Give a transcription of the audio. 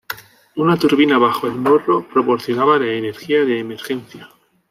Una turbina, bajo el morro, proporcionaba la energía de emergencia.